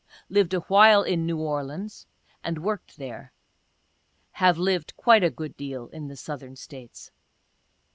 Lived a while in New Orleans, and worked there. (Have lived quite a good deal in the Southern States.)